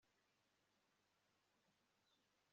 yaryamye wenyine kandi aracyafite